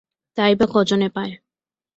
তাই বা কজনে পায়?